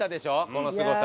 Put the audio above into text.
このすごさ。